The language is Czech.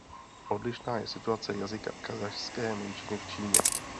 Odlišná je situace jazyka kazašské menšiny v Číně.